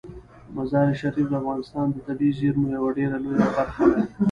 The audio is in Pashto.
مزارشریف د افغانستان د طبیعي زیرمو یوه ډیره لویه برخه ده.